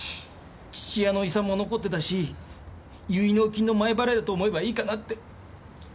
父親の遺産も残ってたし結納金の前払いだと思えばいいかなって。